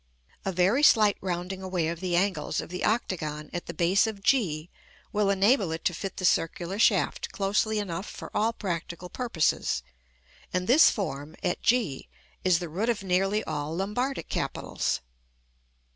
A very slight rounding away of the angles of the octagon at the base of g will enable it to fit the circular shaft closely enough for all practical purposes, and this form, at g, is the root of nearly all Lombardic capitals.